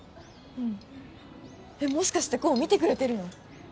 うんもしかして功見てくれてるの？